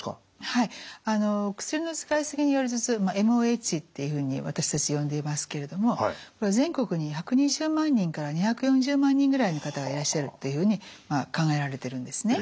はい薬の使いすぎによる頭痛まあＭＯＨっていうふうに私たち呼んでいますけれども全国に１２０万人から２４０万人ぐらいの方がいらっしゃるっていうふうにまあ考えられてるんですね。